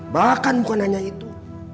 bahkan bukan hanya itu